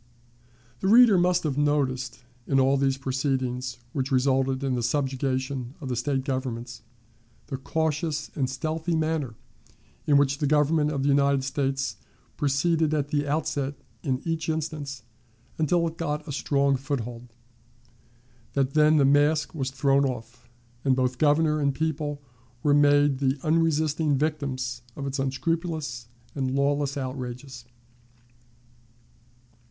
The reader must have noticed, in all these proceedings which resulted in the subjugation of the State governments, the cautious and stealthy manner in which the Government of the United States proceeded at the outset in each instance until it got a strong foothold, that then the mask was thrown off, and both Governor and people were made the unresisting victims of its unscrupulous and lawless outrages.